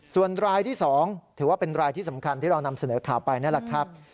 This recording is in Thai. ส่วนรายที่๒ถือว่าเป็นรายที่สำคัญที่เรานำเสนอข่าวไปนั่นแหละครับ